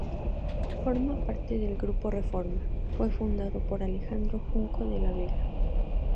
Forma parte del Grupo Reforma, fue fundado por Alejandro Junco de la Vega.